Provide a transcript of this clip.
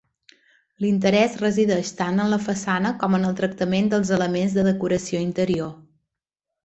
L'interès resideix tant en la façana com en el tractament dels elements de decoració interior.